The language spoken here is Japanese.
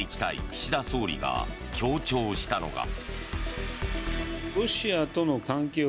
岸田総理が強調したのが。